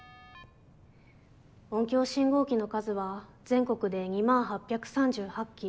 音響信号機の数は全国で２０８３８基。